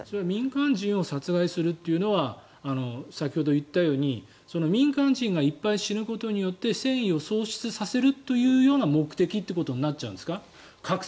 民間人を殺害するというのは先ほど言ったように民間人がいっぱい死ぬことによって戦意を喪失させるというような目的ということになるんですか。